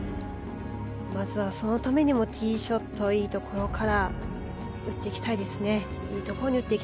まずはそのためにもティーショットをいいところに打っていきたいですね。